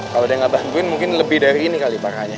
kalau dia gak bantuin mungkin lebih dari ini kali parahnya